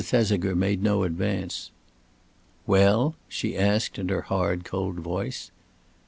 Thesiger made no advance. "Well?" she asked, in her hard, cold voice.